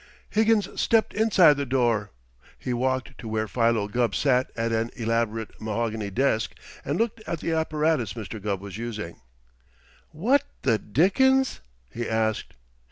Higgins stepped inside the door. He walked to where Philo Gubb sat at an elaborate mahogany desk, and looked at the apparatus Mr. Gubb was using. "What the dickens?" he asked.